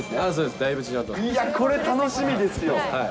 いや、これ、楽しみですよ。